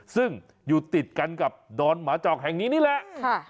ซึ่งอยู่ติดกันกับดอนหมาจอกแห่งนี้นี่แหละ